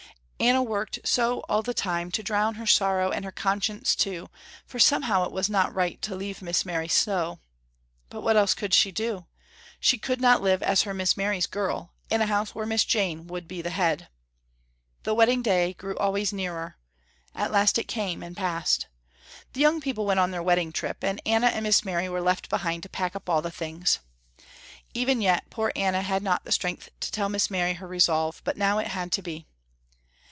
Anna worked so all the time to drown her sorrow and her conscience too, for somehow it was not right to leave Miss Mary so. But what else could she do? She could not live as her Miss Mary's girl, in a house where Miss Jane would be the head. The wedding day grew always nearer. At last it came and passed. The young people went on their wedding trip, and Anna and Miss Mary were left behind to pack up all the things. Even yet poor Anna had not had the strength to tell Miss Mary her resolve, but now it had to be.